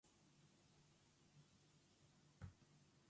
Zeintzuk dira udaletxeek eskaintzen dituzten gizarte zerbitzuak?